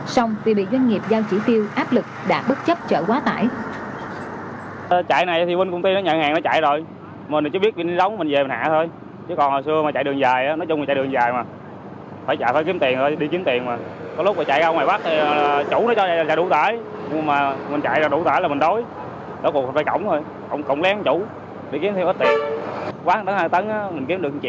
xong thì bị doanh nghiệp giao chỉ tiêu áp lực đã bất chấp chở quá tải